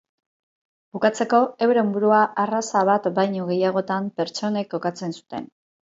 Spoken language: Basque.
Bukatzeko euren burua arraza bat baino gehiagotan pertsonek kokatzen zuten.